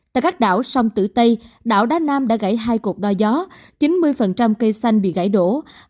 tại các đảo sông tử tây đảo đá nam đã gãy hai cuộc đo gió chín mươi cây xanh bị gãy đổ